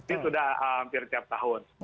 ini sudah hampir tiap tahun